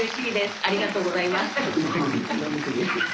ありがとうございます。